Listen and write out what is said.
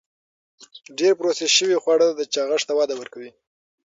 ډېر پروسس شوي خواړه چاغښت ته وده ورکوي.